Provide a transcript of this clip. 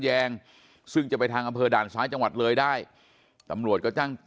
แยงซึ่งจะไปทางอำเภอด่านซ้ายจังหวัดเลยได้ตำรวจก็จ้าง